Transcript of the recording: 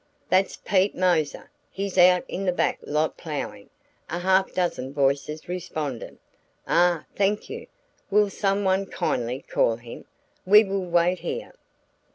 "That's Pete Moser, he's out in the back lot plowin'," a half dozen voices responded. "Ah, thank you; will some one kindly call him? We will wait here."